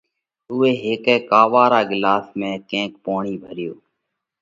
اُوئہ هيڪا ڪاوا را ڳِلاس ۾ ڪينڪ پوڻِي ڀريو۔